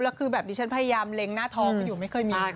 แล้วคือแบบนี้ฉันพยายามเล็งหน้าท้องกันอยู่ไม่เคยมี